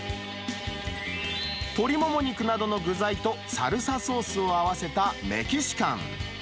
鶏もも肉などの具材とサルサソースを合わせたメキシカン。